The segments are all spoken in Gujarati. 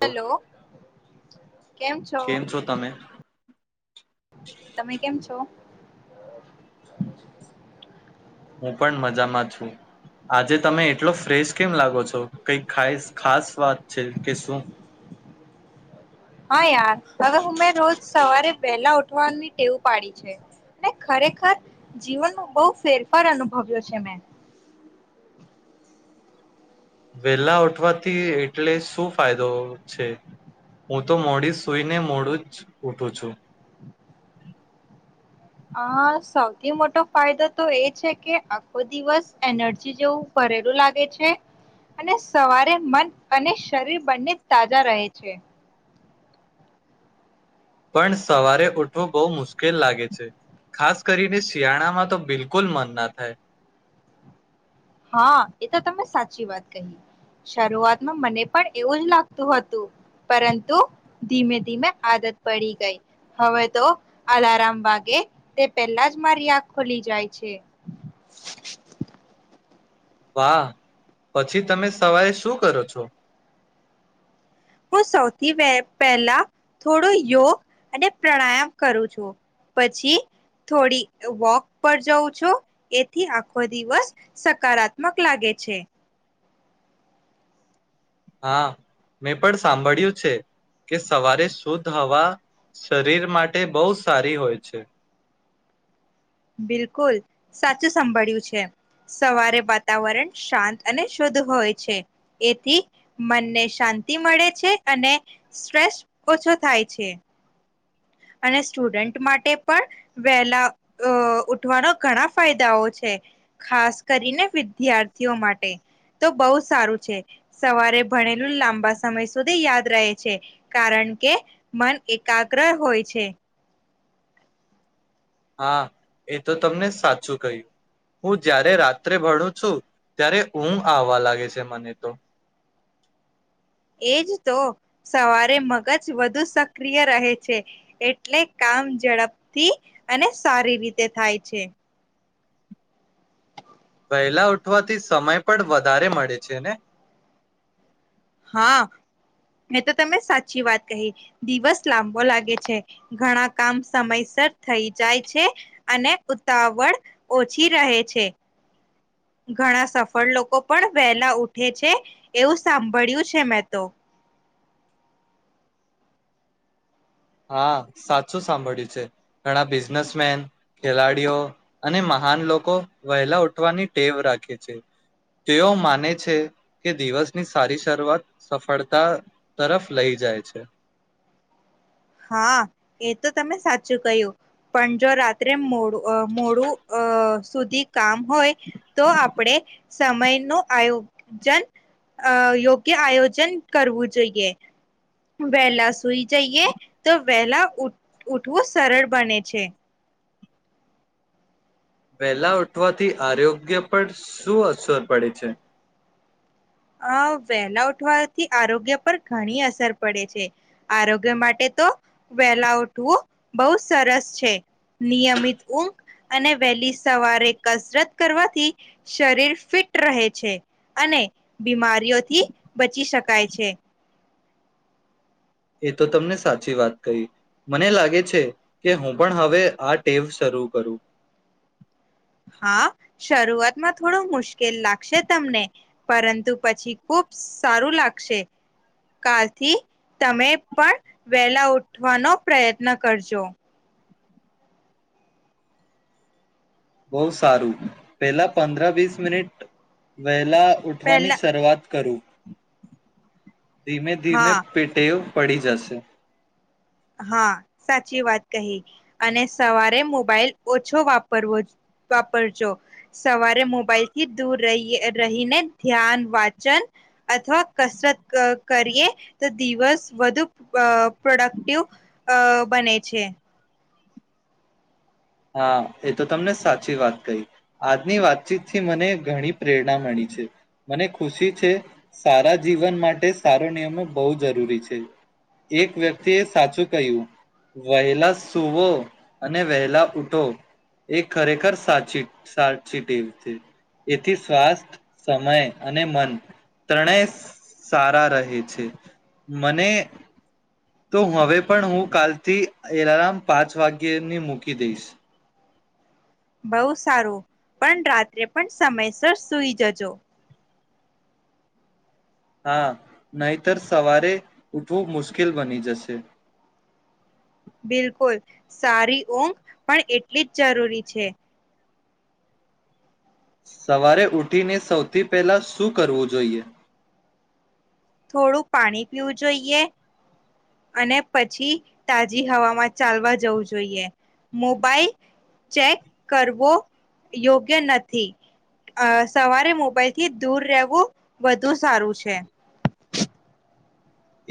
હેલો. કેમ છો, તમે કેમ છો. [inaudible] હું, પણ મજામાં છું. આજે તમે એટલો ફ્રેશ કેમ લાગો છો? કઈ ખાઈસ ખાસ વાત છે, કે શું. હા, યાર હવે હું મેં રોજ સવારે પહેલા ઉઠ વાની ટેવ પાડી છે, અને ખરેખર જીવનનો બહ ફેરફાર અનુભવ્યો છે, મે. વેલા ઉઠવાથી એટલે શું ફાયદો છે? હું, તો મોડી સુઈને મોડું જ, ઊઠું છું. આ સૌથી મોટો ફાયદો તો એ છે, કે આખો દિવસ એનર્જી જેવું ભરેલું લાગે છે, અને સવારે મન અને શરીર બંને તાજા રહે છે. પણ સવારે ઊઠવું બહુ મુશ્કેલ લાગે છે, ખાસ કરીને શિયાળામાં તો બિલકુલ મન ના થાય. હા, એ તો તમે સાચી વાત કહી શરૂઆતમાં મને પણ એવું જ લાગતું હતું. પરંતુ ધીમે - ધીમે આદત પડી ગઈ, હવે તો અલારમ વાગે તે પહેલા જ મારી આંખ ખોલી જાય છે. વાહ! પછી, તમે સવારે શું કરો છો? હું સૌથી પે પહેલા થોડો, યોગ અને પ્રાણાયામ કરું છું, પછી થોડી વોક પર જઉં છું, એથી આખો દિવસ સકારાત્મક લાગે છે. હા, મેં પણ સાંભળ્યું છે, કે સવારે શુદ્ધ હવા શરીર માટે બહુ સારી હોય છે. બિલકુલ, સાચું સાભળ્યું છે. સવારે વાતાવરણ શાંત અને શુદ્ધ હોય છે, એથી મનને શાંતિ મળે છે, અને સ્ટ્રેસ ઓછો થાય છે. અને સ્ટુડન્ટ માટે પણ વહેલા અ ઉઠવાનો ઘણા ફાયદાઓ છે, ખાસ કરીને વિદ્યાર્થીઓ માટે તો બહુ સારું છે, સવારે ભણેલું લાંબા સમય સુધી યાદ રહે છે. કારણ કે મન એકાગ્ર હોય. છે. હા, એ તો તમને સાચું કહ્યું, હું જ્યારે રાત્રે ભણું છું, ત્યારે ઊંઘ આવવા લાગે છે મને તો. એજ તો, સવારે મગજ વધુ સક્રિય રહે છે, એટલે કામ ઝડપથી અને સારી રીતે થાય છે. પહેલા ઉઠવાથી, સમય પણ વધારે મળે છેને. હા, એ તો તમે સાચી વાત કહી. દિવસ લાંબો લાગે છે, ઘણા કામ સમયસર થઈ જાય છે, અને ઉતાવળ ઓછી રહે છે. ઘણા સફળ લોકો પણ વહેલા ઉઠે છે, એવું સાંભળ્યું છે મેં તો. હા, સાચું સાંભળ્યું છે. ઘણા બિઝનેસમેન ખેલાડીઓ અને મહાન લોકો વહેલા ઉઠવાની ટેવ રાખે છે. તેઓ માને છે, કે દિવસની સારી શરૂઆત સફળતા તરફ, લઈ જાય છે. હા, એ તો તમે સાચું કહ્યું, પણ જો રાત્રે મોડું અ મોડું અ સુધી કામ હોય, તો આપડે. સમય નું આયોજન, અ યોગ્ય આયોજન કરવું જોઈએ. વહેલા સુઈ જઈએ, તો વહેલા ઉઠ ઊઠવું સરળ બને છે. વહેલા ઉઠવાથી આરોગ્ય પર શું? અસર પડે છે. અ વહેલા ઉઠવાથી આરોગ્ય પર ઘણી અસર પડે છે. આરોગ્ય માટે તો વહેલા ઉઠવું બહુ સરસ છે, નિયમિત ઊંઘ અને વહેલી સવારે કસરત કરવાથી શરીર ફિટ રહે છે, અને. [unintelligible] [unintelligible] થી બચી શકે. કાય છે. એ તો તમને સાચી વાત કહી, મને લાગે છે, કે હું પણ હવે આ ટેવ શરૂ કરું. હા, શરૂઆતમાં થોડું મુશ્કેલ લાગશે તમને પરંતુ પછી ખુબ સારું લાગશે કાલથી, તમે પણ વેલા ઉઠવાનો પ્રયત્ન કરજો. બહુ સારું, પેલા પંદ્ર વીસ મિનિટ વ. લા ઉઠવાની, પહેલા શરૂઆત કરું. ધીમે ધીમે હા પે ટેવ પડી જશે હા, સાંચી વાત કહી અને સવારે મોબાઈલ ઓછો વાપરવો વાપરજો, સવારે મોબાઈલ થી દૂર રહીએ રહીને ધ્યાન, વાચન અથવા કસરત કરીએ તો દિવસ વધુ પ્રોડક્ટ ટિવ અ બને છે હા એ તો તમને સાચી વાત કહી આજની વાતચીતથી મને ઘણી પ્રેરણા મળી છે મને ખુશી છે સારા જીવન માટે સારો નિયમો બહુ જરૂરી છે એક વ્યક્તિ એ સાચું કહ્યું વહેલા સુવો અને વહેલા ઉઠો એ ખરેખર સાચી સાચી ટેવ છે, એથી સ્વાસ્થ, સમય અને મન ત્રણેય સારા રહે છે મને તો હવે પણ હું કાલથી એલાર્મ પાંચ વાગ્યની મૂકી દઈશ બહુ સારું પણ રાત્રે પણ સમયસર સુઈ જજો હા, નહીતર સવારે ઉઠવું મુશ્કેલ બની જશે બિલકુલ, સારી ઊંઘ પણ એટલી જ જરૂરી છે સવારે ઉઠીને સૌથી પહેલા શું કરવું જોઈએ થોડુંક પાણી પીવું જોઈએ અને પછી તાજી હવામાં ચાલવા જવું જોઈએ, મોબાઈલ ચેક કરવો યોગ્ય નથી, સવારે મોબાઈલ થી દૂર રહેવું વધુ સારું છે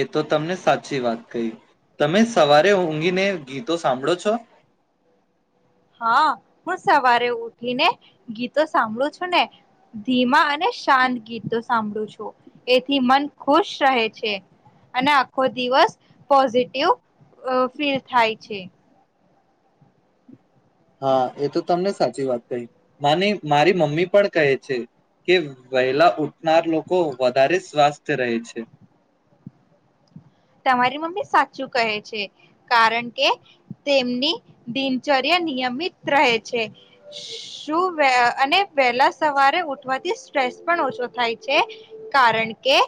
એ તો તમને સાચી વાત કહી તમે સવારે ઊંઘીને ગીતો સાંભળો છો હા, હું સવારે ઉઠીને ગીતો સાંભળું છું ને ધીમા અને શાંત ગીતો સાંભળું છું એથી મન ખુશ રહે છે અને આખો દિવસ પોઝિટિવ ફીલ થાય છે હા એ તો તમને સાચી વાત કહી માને મારી મમ્મી પણ કહે છે કે વહેલા ઉઠનાર લોકો વધારે સ્વાસ્થ રહે છે તમારી મમ્મી સાચું કહે છે કારણ કે તેમની દિનચર્યા નિયમિત રહે છે શું અને વહેલા સવારે ઉઠવાથી સ્ટ્રેસ પણ ઓછો થાય છે કારણ કે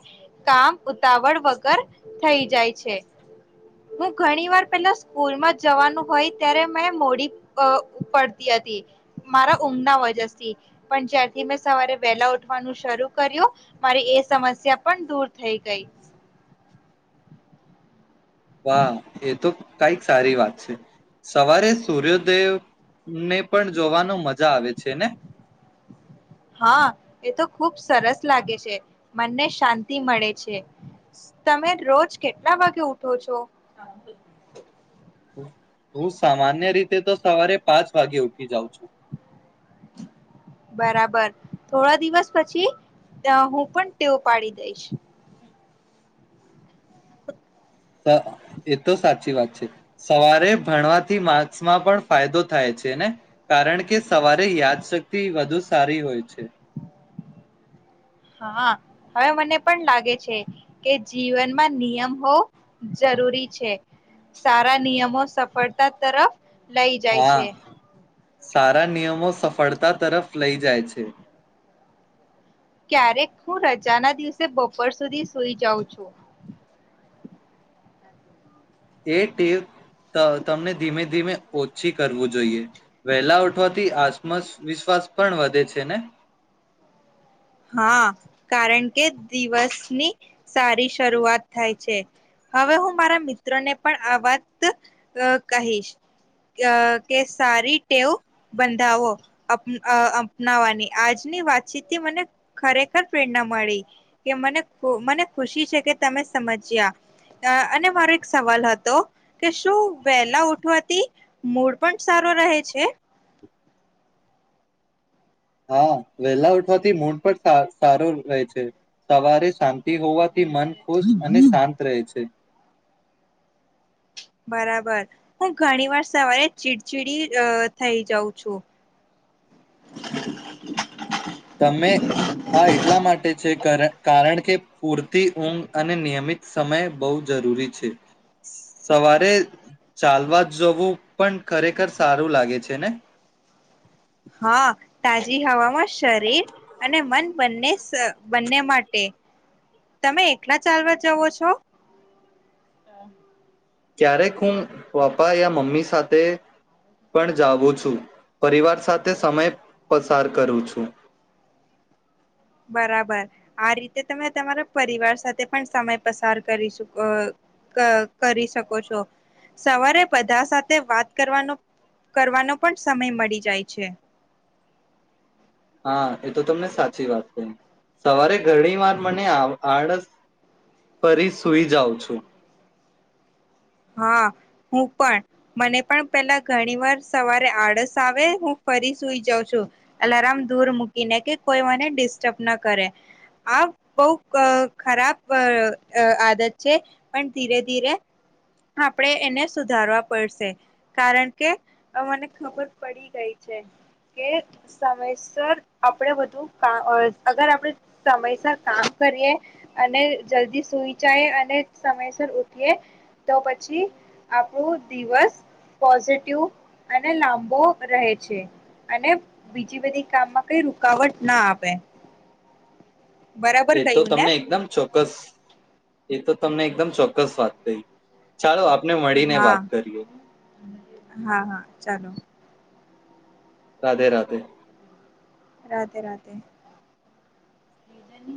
કામ ઉતાવળ વગર થઈ જાય છે હું ઘણી વાર પહેલા સ્કૂલમાં જવાનું હોય ત્યારે મેં મોડી પડતી હતી મારા ઊંઘના વજનથી પણ જ્યારથી મેં સવારે વેલા ઉઠવાનું શરૂ કર્યું મારી એ સમસ્યા પણ દૂર થઈ ગઈ વાહ! એ તો કઈક સારી વાત છે સવારે સૂર્ય્યોદેવ ને પણ જોવાનો મજ હા એ તો ખુબ સરસ લાગે છે મનને શાંતિ મળે છે, તમે રોજ કેટલા વાગે ઉઠો છો? હું સામાન્ય રીતે તો સવારે પાંચ વાગે ઉઠી જાઉં છું બરાબર થોડા દિવસ પછી હું પણ ટેવ પાડી દઈશ એ તો સાચી વાત છે સવારે ભણવાથી માર્કસમાં પણ ફાયદો થાય છે ને કારણ કે સવારે યાદશક્તિ વધુ સારી હોય છે હા, હવે મને પણ લાગે છે કે જીવનમાં નિયમ હો જરૂરી છે સારા નિયમો સફળતા તરફ લઈ જાય હા છે સારા નિયમો સફળતા તરફ લઈ જાય છે ક્યારેક હું રજાના દિવસે બપોર સુધી સુઈ જાઉં છું એ ટેવ તમને ધીમે ધીમે ઓછી કરવું જોઈએ વહેલા ઉઠવાથી આત્મસવિશ્વાસ પણ વધે છે ને હા, કારણ કે દિવસની સારી શરૂઆત થાય છે, હવે હું મારા મિત્રોને પણ આ વાત કહીશ કે સારી ટેવ બંધાવો અપનાવાની આજની વાતચીત થી મને ખરેખર પ્રેરણા મળી કે મને મને ખુશી છે કે તમે સમજ્યા અને મારો એક સવાલ હતો કે શું વહેલા ઉઠવાથી મૂડ પણ સારો રહે છે હા, વેલા ઉઠવાથી મૂડ પણ સારો રહે છે સવારે શા શાંતી હોવાથી મન ખુશ અને શાંત રહે છે બરાબર હું ઘણી વાર સવારે ચીડચીડી થઇ જાઉં છું તમે આ એટલા માટે છે કારણ કે પૂરતી ઊંઘ અને નિયમિત સમય બહુ જરૂરી છે સવારે ચાલવા જવું પણ ખરેખર સારું લાગે છે ને હા તાજી હવામાં શરીર અને મન બંને [unintelligible] બંને માટે તમે એકલા ચાલવા જવો છો? ક્યારેક હું પપ્પા યા મમ્મી સાથે પણ જાવું છું પરિવાર સાથે સમય પસાર કરું છું. બરાબર આ રીતે તમે તમારા પરિવાર સાથે પણ સમય પસાર કરી શ ક કરી શકો છો, સવારે બધા સાથે વાત કરવાનો કરવાનો પણ સમય મળી જાય છે. હા એ તો તમને સાચી વાત કહિ સવારે ઘણી વાર મને આ આળસ- ફરી સુઈ જાઉં છું. હા હું પણ મને પણ પેલા ઘણી વાર સવારે આળસ આવે હું ફરી સુઈ જાઉં છું. અલાર્મ દૂર મૂકીને કે કોઈ મને ડિસ્ટર્બ ના કરે. આ બહુ ક ખરાબ અ આદત છે પણ ધીરે ધીરે આપણેે એને સુધારવા પડશે. કારણ કે મને ખબર પડી ગઈ છે કે સમયસર આપણે બધું કામઅ અગર આપણે સમયસર કામ કરીએ અને જલ્દી સુઈ જઈ અને સમયસર ઉઠીએ તો પછી આપણુ દિવસ પોઝિટિવ અને લાંબુ રહે છે. અને બીજી બધી કામમાં કઈ રૂકાવટ ના આવેે. બરાબર એ તો કહ્યું ને? તમને એકદમ ચોક્કસ એ તો તમને એકદમ ચોક્કસ વાત કહી ચાલો આપ હા હા હા ચાલો. રાધે રાધે. રાધે રાધે. એ તને